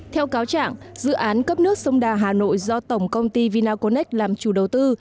theo cáo trạng dự án cấp nước sông đà hà nội do tổng công ty vinaconex làm chủ đầu tư